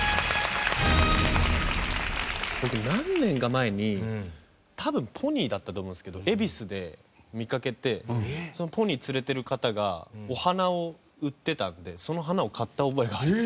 僕何年か前に多分ポニーだったと思うんですけど恵比寿で見かけてそのポニー連れてる方がお花を売ってたんでその花を買った覚えがあります。